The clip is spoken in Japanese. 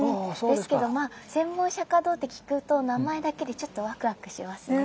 ですけどまあ千本釈堂って聞くと名前だけでちょっとワクワクしますね。